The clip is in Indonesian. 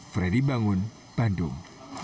freddy bangun bandung